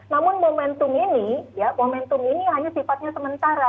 namun momentum ini ya momentum ini hanya sifatnya sementara